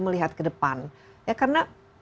melihat ke depan ya karena